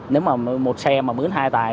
nếu mà một xe mà mướn hai tài